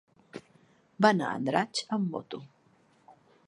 Va anar a Andratx amb moto.